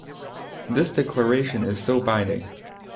This declaration is still binding.